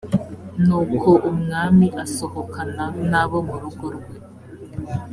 nuko umwami asohokana n abo mu rugo rwe